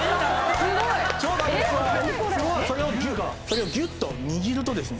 すごい！それをギュっと握るとですね